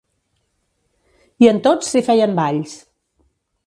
I en tots s'hi feien balls.